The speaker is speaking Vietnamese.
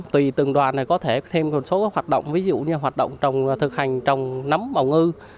tùy từng đoàn này có thể thêm một số hoạt động ví dụ như hoạt động trồng thực hành trồng nấm bầu ngư